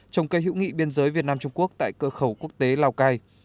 trồng cây hữu nghị biên giới việt nam trung quốc tại cửa khẩu quốc tế lào cai